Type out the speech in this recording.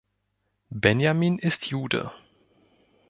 Benjamin ist Jude.